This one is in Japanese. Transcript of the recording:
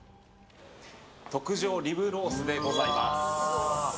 特上リブロースでございます。